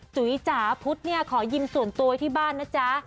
จุ๊ยจาพุทธขอยิ่มส่วนตัวให้ที่บ้านนะจ๊ะ